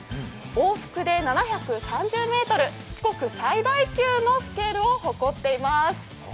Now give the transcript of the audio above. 往復で７３０ｍ、四国最大級のスケールを誇っています。